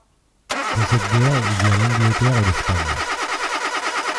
Dans cette guerre il y a l’Angleterre et l’Espagne.